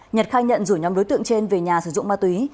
nhật khai nhận rủi nhóm đối tượng trên về nhà sử dụng ma túy